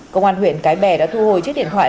công an huyện cái bè đã thu hồi chiếc điện thoại